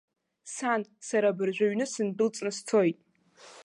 Сан, сара абыржәы аҩны сындәылҵны сцоит.